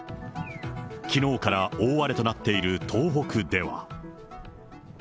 きのうから大荒れとなっている東北では。